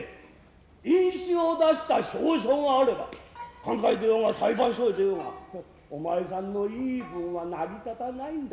印紙を出した証書があれば勧解へ出ようが裁判所へ出ようがお前さんの言い分は成り立たないんだ。